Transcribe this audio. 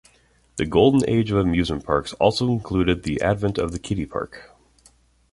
The Golden Age of amusement parks also included the advent of the kiddie park.